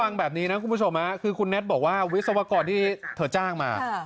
ฟังแบบนี้นะคุณผู้ชมคือคุณแน็ตบอกว่าวิศวกรที่เธอจ้างมา